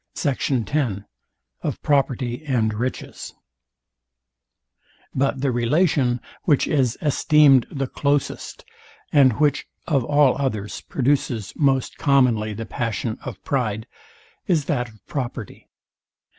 Sect, 2. SECT. X OF PROPERTY AND RICHES But the relation, which is esteemed the closest, and which of all others produces most commonly the passion of pride, is that of property.